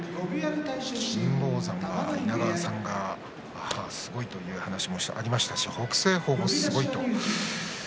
金峰山は稲川さんがすごいという話をしていましたが北青鵬もすごいと。